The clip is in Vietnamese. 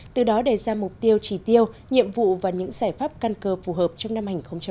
từ đó đề ra mục tiêu trì tiêu nhiệm vụ và những giải pháp căn cơ phù hợp trong năm hai nghìn một mươi chín